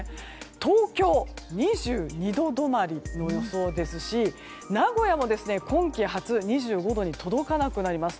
東京、２２度止まりの予想ですし名古屋も今季初２５度に届かなくなります。